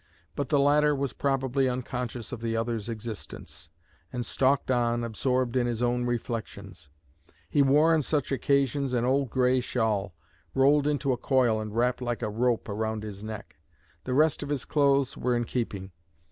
But the latter was probably unconscious of the other's existence, and stalked on, absorbed in his own reflections. He wore on such occasions an old gray shawl, rolled into a coil and wrapped like a rope around his neck. The rest of his clothes were in keeping.